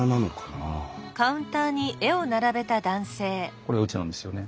これうちなんですよね。